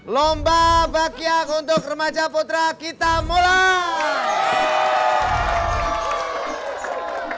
lomba bakyak untuk remaja putra kita mulai